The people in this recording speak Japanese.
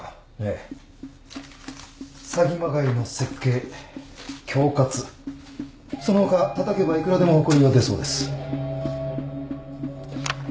詐欺まがいの設計恐喝その他たたけばいくらでもほこりは出そうです。